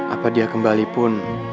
apa dia kembalipun